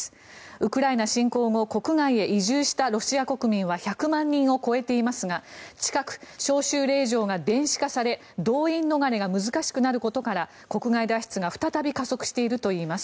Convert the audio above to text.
ウクライナ侵攻後国外へ移住したロシア国民は１００万人を超えていますが近く、招集令状が電子化され動員逃れが難しくなることから国外脱出が再び加速しているといいます。